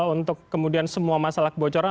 untuk kemudian semua masalah kebocoran